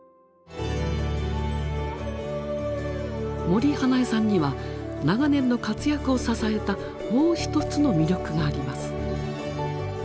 森英恵さんには長年の活躍を支えたもう一つの魅力があります。